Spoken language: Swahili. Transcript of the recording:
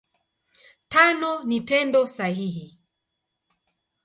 Tano ni Tendo sahihi.